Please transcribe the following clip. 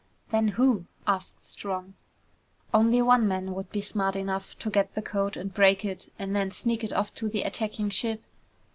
"Then who?" asked Strong. "Only one man would be smart enough to get the code and break it, and then sneak it off to the attacking ship!